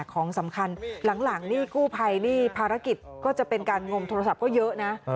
ของสำคัญหลังนี่กู้ภัยนี่ภารกิจก็จะเป็นการงมโทรศัพท์ก็เยอะนะ